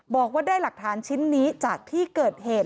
บอกว่าได้หลักฐานชิ้นนี้จากที่เกิดเหตุ